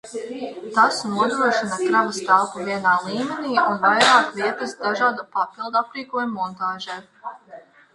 Tas nodrošina kravas telpu vienā līmenī un vairāk vietas dažādu papildaprīkojumu montāžai.